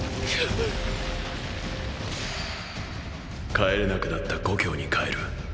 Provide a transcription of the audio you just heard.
帰れなくなった故郷に帰る。